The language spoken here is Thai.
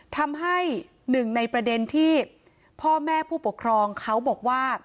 ทำให้หนึ่งในประเด็นที่พ่อแม่ผู้ปกครองเขาบอกว่า